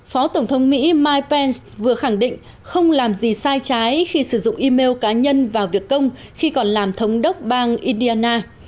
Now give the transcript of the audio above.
phó tổng thống mỹ mike pence vừa khẳng định không làm gì sai trái khi sử dụng email cá nhân vào việc công khi còn làm thống đốc bang indiana